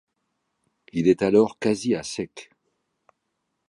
Il est alors quasi à sec.